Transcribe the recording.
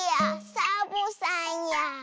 サボさんや。